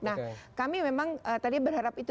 nah kami memang tadi berharap itu